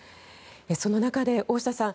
その中で大下さん